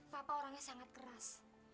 bapak orangnya sangat keras